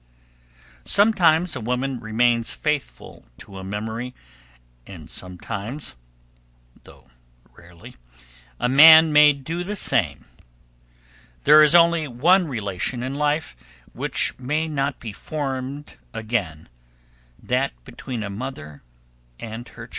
Sometimes a woman remains faithful to a memory, and sometimes, though rarely, a man may do the same. There is only one relation in life which may not be formed again that between a mother and her child.